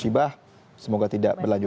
hibah semoga tidak berlanjut